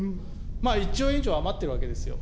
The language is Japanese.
１兆円以上余っているわけですよ。